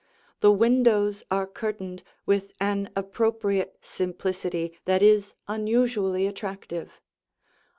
The windows are curtained with an appropriate simplicity that is unusually attractive.